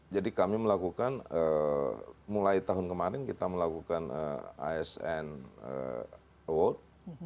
jadi kami melakukan mulai tahun kemarin kita melakukan asn award